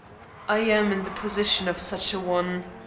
I am in the position of such a one.